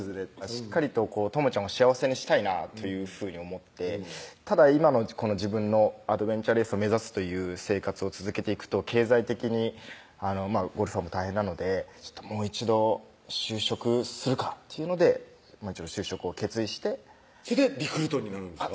しっかりと倫ちゃんを幸せにしたいなというふうに思ってただ今のこの自分のアドベンチャーレースを目指すという生活を続けていくと経済的にゴルファーも大変なのでもう一度就職するかっていうのでもう一度就職を決意してそれでリクルートになるんですか？